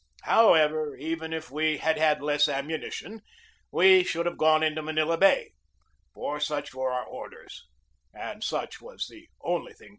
However, even if we had had less ammunition, we should have gone into Manila Bay; for such were our orders and such was the only thing to do.